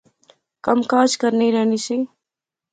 کم کاج کرنی رہنی سی